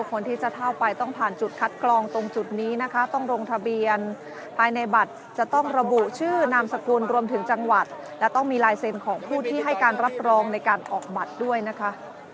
คนที่จะเข้าไปต้องผ่านจุดคัดกรองตรงจุดนี้นะคะต้องลงทะเบียนภายในบัตรจะต้องระบุชื่อนามสกุลรวมถึงจังหวัดและต้องมีลายเซ็นต์ของผู้ที่ให้การรับรองในการออกบัตรด้วยนะคะ